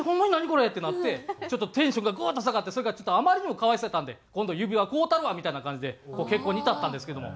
これ」ってなってテンションがグーッと下がってそれがちょっとあまりにも可哀想やったんで「今度指輪買うたるわ」みたいな感じで結婚に至ったんですけども。